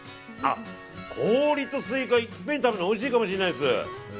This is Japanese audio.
氷とスイカ、いっぺんに食べるとおいしいかもしれないです。